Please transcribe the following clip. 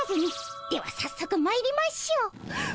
ではさっそくまいりましょう。